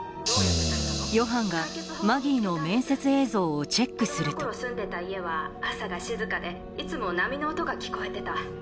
ヨハンがをチェックすると子供の頃住んでた家は朝が静かでいつも波の音が聞こえてた。